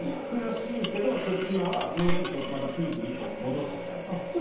悔しいんですけどちょっと今はもうちょっとまたピンクに戻してきたみたいな。